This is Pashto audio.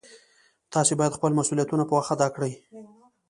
تاسې باید خپل مسؤلیتونه په وخت ادا کړئ